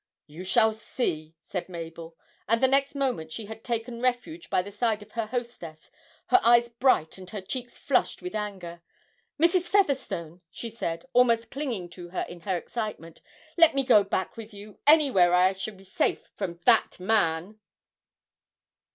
'You shall see,' said Mabel, and the next moment she had taken refuge by the side of her hostess, her eyes bright and her cheeks flushed with anger. 'Mrs. Featherstone,' she said, almost clinging to her in her excitement, 'let me go back with you, anywhere where I shall be safe from that man!'